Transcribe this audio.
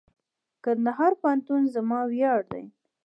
کندهار پوهنتون زما ویاړ دئ.